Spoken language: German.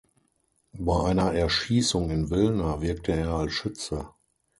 Bei einer Erschießung in Wilna wirkte er als Schütze.